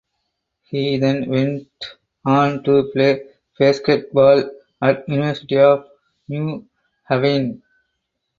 He then went on to play basketball at University of New Haven.